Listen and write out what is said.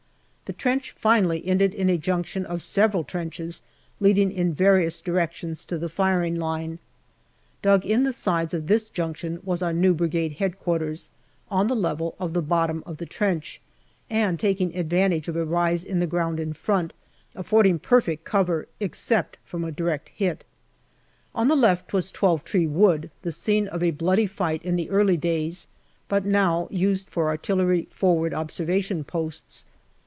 The trench finally ended in a junction of several trenches leading in various directions to the firing line. Dug in the sides of this junction was our new Brigade H.Q., on the level of the bottom of the trench, and taking advantage of a rise in the ground in front, affording perfect cover, except from a direct hit ; on the left was Twelve Tree Wood, the scene of a bloody fight in the early days, but now used for artillery forward observation posts.